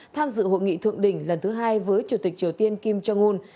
tham dự hội nghị thượng đỉnh lần thứ hai với chủ tịch triều tiên kim jong un